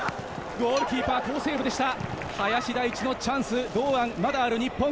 ゴールキーパー好セーブでした。